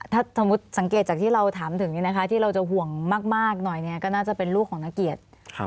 ถ้าสมมุติสังเกตจากที่เราถามถึงที่เราจะห่วงมากหน่อยก็น่าจะเป็นลูกของนักเกียรติ